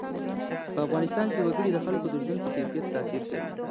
په افغانستان کې وګړي د خلکو د ژوند په کیفیت تاثیر کوي.